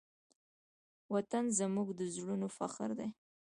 وطن زموږ د زړونو فخر دی.